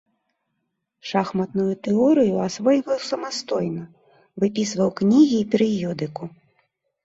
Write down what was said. Шахматную тэорыю асвойваў самастойна, выпісваў кнігі і перыёдыку.